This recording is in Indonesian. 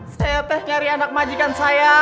saya teh nyari anak majikan saya